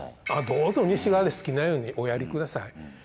あっどうぞ西側で好きなようにおやり下さい。